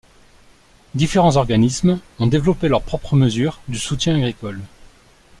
Différents organismes ont développé leur propre mesure du soutien agricole.